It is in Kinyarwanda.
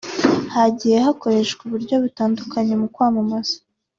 hagiye hakoreshwa uburyo butandukanye mu kwamamaza